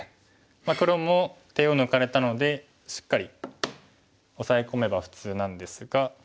黒も手を抜かれたのでしっかりオサエ込めば普通なんですが。